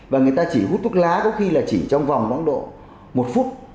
và người ta chỉ hút thuốc lá có khi là chỉ trong vòng khoảng độ một phút